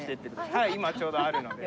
はい今ちょうどあるので。